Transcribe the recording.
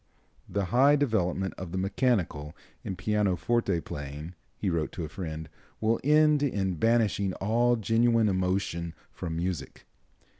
"The high development of the mechanical in pianoforte playing," he wrote to a friend, "will end in banishing all genuine emotion from music."